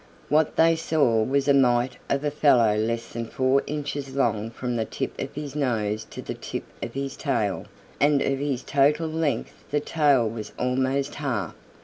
What they saw was a mite of a fellow less than four inches long from the tip of his nose to the tip of his tail, and of this total length the tail was almost half.